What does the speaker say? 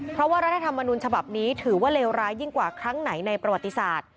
เพราะว่ารัฐธรรมนุนฉบับนี้ถือว่าเลวร้ายยิ่งกว่าครั้งไหนในประวัติศาสตร์